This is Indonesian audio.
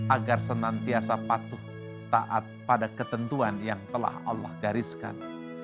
agar senantiasa patuh taat pada ketentuan yang telah allah gariskan